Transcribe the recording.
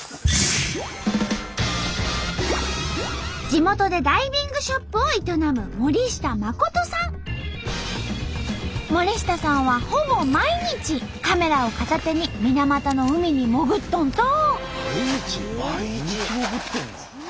地元でダイビングショップを営む森下さんはほぼ毎日カメラを片手に水俣の海に潜っとんと！